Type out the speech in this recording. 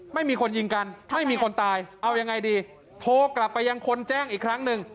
ไม่มีคนยิงกันไม่มีคนตายเอายังไงดีโทรกลับไปยังคนแจ้งอีกครั้งหนึ่ง